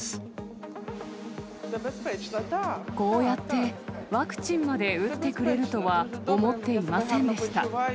こうやって、ワクチンまで打ってくれるとは思っていませんでした。